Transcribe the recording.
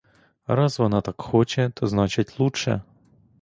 Раз вона так хоче, то, значить, лучче.